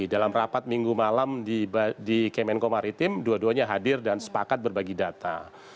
dalam rapat minggu malam di kemenko maritim dua duanya hadir dan sepakat berbagi data